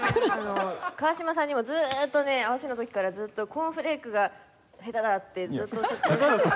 川島さんにもずーっとね合わせの時からずっと「コーンフレークが下手だ」ってずっとおっしゃってて。